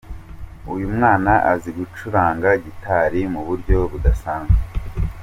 Uyu mwana azi gucuranga gitari mu buryo budasanzwe.